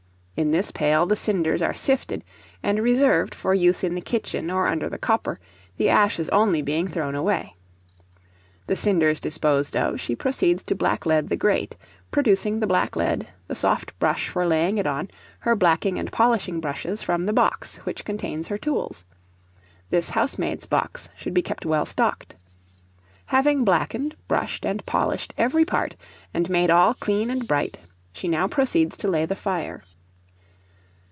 In this pail the cinders are sifted, and reserved for use in the kitchen or under the copper, the ashes only being thrown away. The cinders disposed of, she proceeds to black lead the grate, producing the black lead, the soft brush for laying it on, her blacking and polishing brushes, from the box which contains her tools. This housemaid's box should be kept well stocked. Having blackened, brushed, and polished every part, and made all clean and bright, she now proceeds to lay the fire.